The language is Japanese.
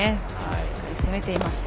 しっかり攻めていました。